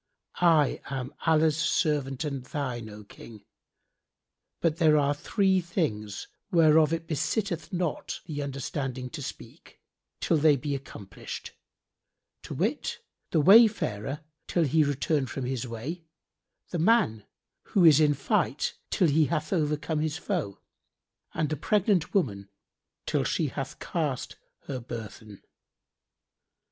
I am Allah's servant and thine, O King; but there are three things[FN#64] whereof it besitteth not the understanding to speak, till they be accomplished; to wit, the wayfarer, till he return from his way, the man who is in fight, till he have overcome his foe, and the pregnant woman, till she have cast her burthen."